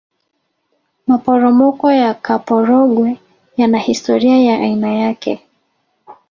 maporomoko ya kaporogwe yana hisitoria ya aina yake